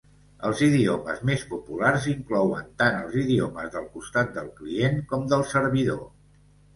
Els idiomes més populars inclouen tant els idiomes del costat del client com del servidor.